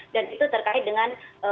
dan itu terkait dengan